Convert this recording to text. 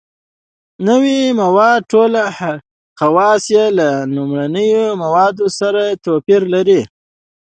نوي مواد ټول خواص یې له لومړنیو موادو سره توپیر لري.